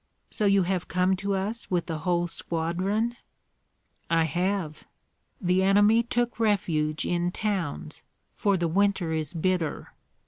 "So you have come to us with the whole squadron?" "I have. The enemy took refuge in towns, for the winter is bitter.